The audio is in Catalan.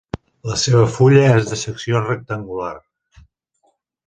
La seva fulla és de secció rectangular.